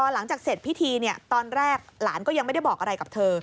หลังจากเสร็จพิธีตอนแรกหลานก็ยังไม่ได้บอกอะไรกับเธอ